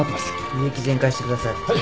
輸液全開してください。